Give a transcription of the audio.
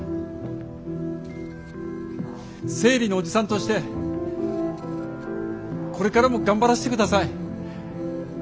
生理のおじさんとしてこれからも頑張らせてください！